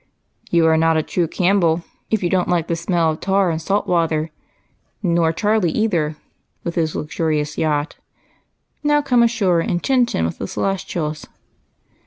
" You are not a true Campbell if you don't like the smell of tar and salt water, nor Charlie either, with his luxurious yacht. Now come ashore and chin chin with the Celestials."